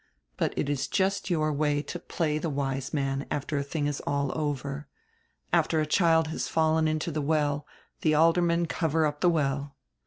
But it is just your way to play die wise man after a diing is all over. After a child has fallen into the well die aldermen cover up die well."